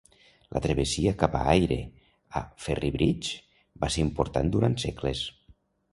La travessia cap a Aire, a Ferrybridge, va ser important durant segles.